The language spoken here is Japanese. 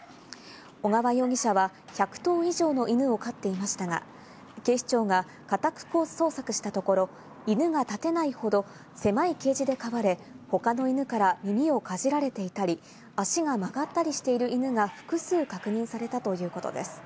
尾川容疑者は１００頭以上の犬を飼っていましたが、警視庁が家宅捜索したところ、犬が立てないほど狭いケージで飼われ、他の犬から耳をかじられていたり、足が曲がったりしている犬が複数確認されたということです。